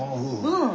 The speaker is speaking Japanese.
うん。